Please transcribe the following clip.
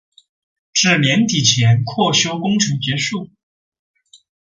至年底前扩修工程结束。